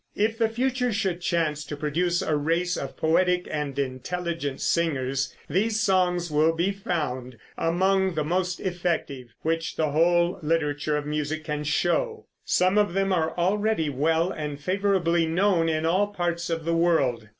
If the future should chance to produce a race of poetic and intelligent singers, these songs will be found among the most effective which the whole literature of music can show. Some of them are already well and favorably known in all parts of the world.